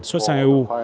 xuất sang eu